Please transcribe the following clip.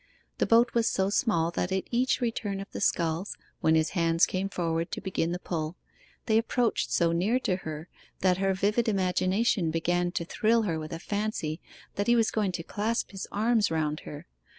The boat was so small that at each return of the sculls, when his hands came forward to begin the pull, they approached so near to her that her vivid imagination began to thrill her with a fancy that he was going to clasp his arms round her.